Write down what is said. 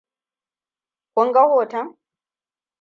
Kun ga hoton?